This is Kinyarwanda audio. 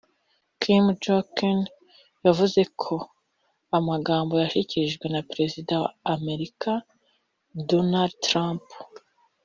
Kim Jong-un yavuze ko amajambo yashikirijwe na Prezida wa Amerika Donald Trump